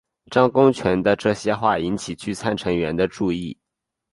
张公权的这些话引起聚餐成员的注意。